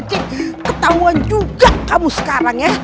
ajik ajik ketahuan juga kamu sekarang ya